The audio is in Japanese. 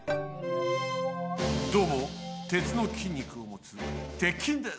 どうも鉄の筋肉をもつ鉄筋です。